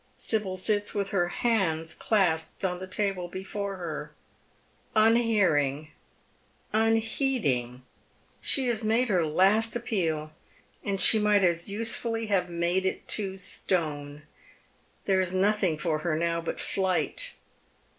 Sibyl sits with her hands clasped on the table before her, un hearing, unheeding. She has made her last appeal, and she might as usefully have made it to stone. There is nothing for her now but flight.